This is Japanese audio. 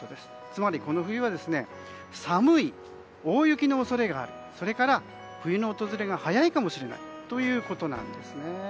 つまり、この冬は寒い、大雪の恐れがあるそれから冬の訪れが早いかもしれないということです。